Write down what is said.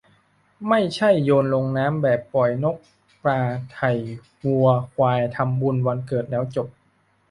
ไม่ใช่โยนลงน้ำแบบปล่อยนกปลาไถ่วัวควายทำบุญวันเกิดแล้วจบ